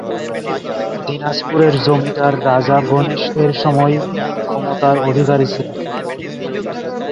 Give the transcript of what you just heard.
দিনাজপুরের জমিদার রাজা গণেশ এসময় মূল ক্ষমতার অধিকারী ছিলেন।